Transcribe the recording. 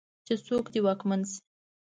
چې څوک دې واکمن شي.